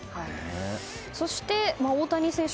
そして、大谷選手